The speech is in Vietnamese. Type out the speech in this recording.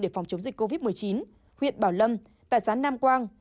để phòng chống dịch covid một mươi chín huyện bảo lâm tại xã nam quang